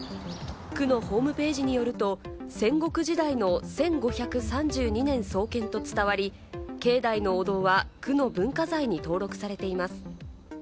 区のホームページによると、戦国時代の１５３２年創建と伝わり、境内のお堂は区の文化財に登録されています。